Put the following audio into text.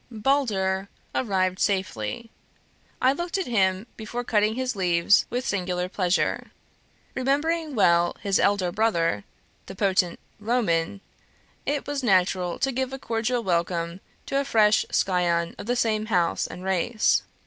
"'Balder' arrived safely. I looked at him, before cutting his leaves with singular pleasure. Remembering well his elder brother, the potent 'Roman,' it was natural to give a cordial welcome to a fresh scion of the same house and race.